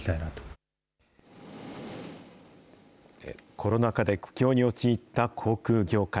コロナ禍で苦境に陥った航空業界。